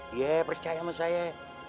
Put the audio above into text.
dia percaya sama saya